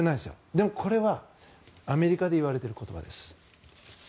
でも、これはアメリカでいわれている言葉です。